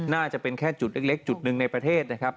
น่าจะเป็นแค่จุดเล็กจุดหนึ่งในประเทศนะครับ